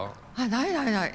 ないないない！